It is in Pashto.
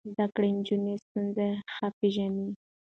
زده کړې نجونې ستونزې ښه پېژني.